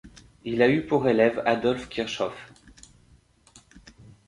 Il a eu pour élève Adolf Kirchhoff.